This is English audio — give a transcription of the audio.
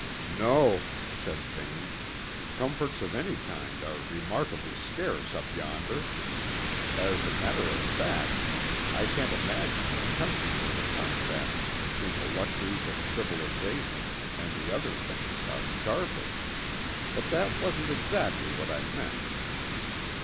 "No," said Vane. "Comforts of any kind are remarkably scarce up yonder. As a matter of fact, I can't imagine a country where the contrasts between the luxuries of civilisation and the other thing are sharper. But that wasn't exactly what I meant."